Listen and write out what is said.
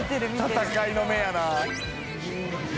戦いの目やな。